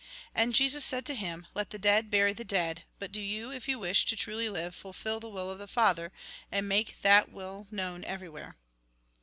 And Jesus said to him :" Let the dead bury the dead, but do you, if you wish to truly live, fulfil the will of the Father, and make that will known everywhere."